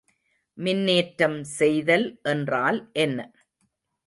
மின்னேற்றம் செய்தல் என்றால் என்ன?